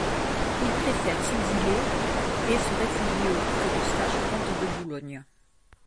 Il préfère s'exiler et se réfugier auprès d'Eustache, comte de Boulogne.